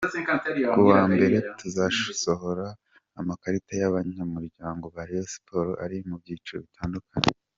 Kuwa mbere tuzasohora amakarita y’abanyamuryango ba Rayon sports ari mu byiciro bitandukanye.